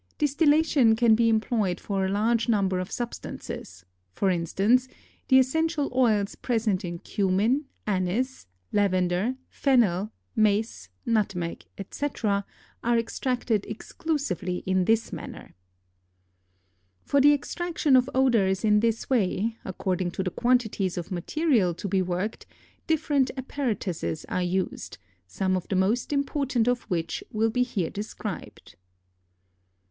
Distillation can be employed for a large number of substances; for instance, the essential oils present in cumin, anise, lavender, fennel, mace, nutmeg, etc., are extracted exclusively in this manner. [Illustration: FIG. 9.] For the extraction of odors in this way, according to the quantities of material to be worked, different apparatuses are used, some of the most important of which will be here described.